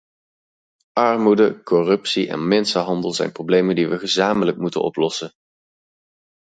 Armoede, corruptie en mensenhandel zijn problemen die we gezamenlijk moeten oplossen.